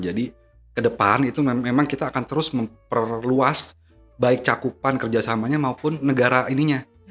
jadi ke depan itu memang kita akan terus memperluas baik cakupan kerjasamanya maupun negara ininya